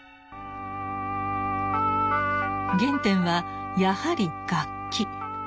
原点はやはり楽器。